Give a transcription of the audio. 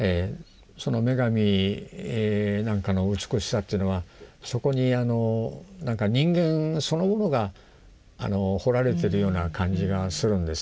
その女神なんかの美しさというのはそこになんか人間そのものが彫られてるような感じがするんですね。